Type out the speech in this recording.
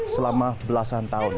selama belasan tahun